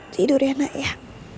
tidur ya nak ya